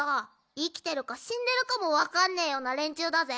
生きてるか死んでるかも分かんねぇような連中だぜ？